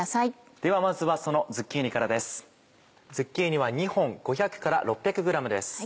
ではまずはそのズッキーニからです。